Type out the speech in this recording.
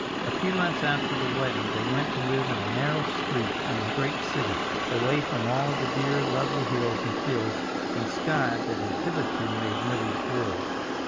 A few months after the wedding they went to live in a narrow street in the great city, away from all the dear lovely hills and fields and sky that had hitherto made Milly's world.